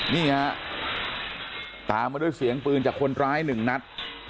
นี่ฮะตามมาด้วยเสียงปืนจากคนร้ายหนึ่งนัด